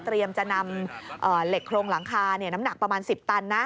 จะนำเหล็กโครงหลังคาน้ำหนักประมาณ๑๐ตันนะ